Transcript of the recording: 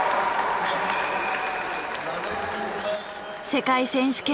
世界選手権制覇！